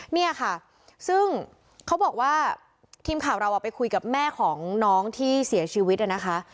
เนี่ยค่ะซึ่งเขาบอกว่าทีมข่าวเราไปคุยกับแม่ของน้องที่เสียชีวิตนะคะ